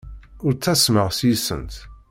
Ur ttasmeɣ seg-sent.